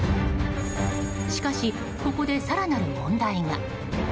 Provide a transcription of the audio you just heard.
しかし、ここで更なる問題が。